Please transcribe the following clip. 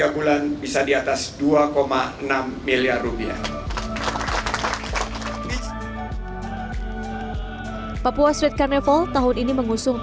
tiga bulan bisa diatas dua enam